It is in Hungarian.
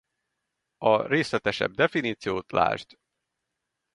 A részletesebb definíciót ld.